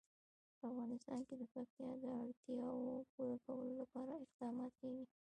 په افغانستان کې د پکتیا د اړتیاوو پوره کولو لپاره اقدامات کېږي.